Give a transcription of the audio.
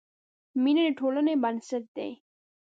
مینه د ټولنې بنسټ دی.